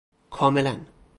کاملا ً